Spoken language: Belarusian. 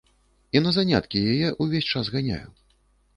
І на заняткі яе ўвесь час ганяю.